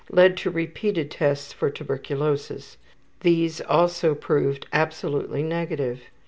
led to repeated tests for tuberculosis. These also proved absolutely negative.